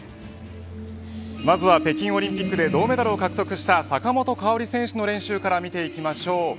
まずは北京オリンピックで銅メダルを獲得した坂本花織選手の練習から見ていきましょう。